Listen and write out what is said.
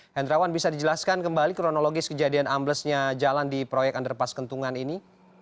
hendrawan bisa dijelaskan kembali kronologis kejadian amblesnya jalan di proyek underpass kentungan ini